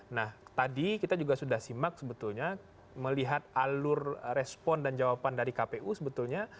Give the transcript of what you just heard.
nah tadi kita juga sudah simak sebetulnya melihat alur respon dan jawaban dari kpu sebetulnya